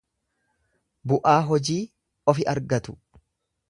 Bu'aa hojii ofi argatu.